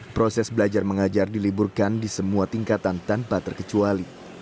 proses belajar mengajar diliburkan di semua tingkatan tanpa terkecuali